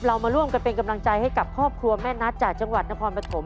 เรามาร่วมกันเป็นกำลังใจให้กับครอบครัวแม่นัทจากจังหวัดนครปฐม